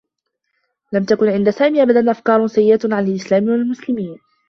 لم تكن عند سامي أبدا أفكار سيّئة عن الإسلام و المسلمين.